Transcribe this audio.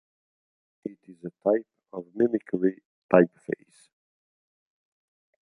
It is a type of mimicry typeface.